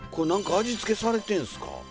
何か味付けされてんすか？